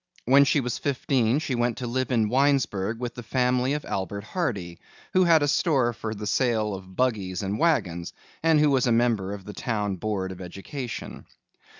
When she was fifteen she went to live in Winesburg with the family of Albert Hardy, who had a store for the sale of buggies and wagons, and who was a member of the town board of education.